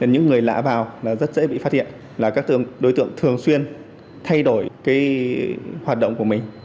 những người lạ vào rất dễ bị phát hiện là các đối tượng thường xuyên thay đổi hoạt động của mình